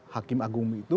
hakim agung itu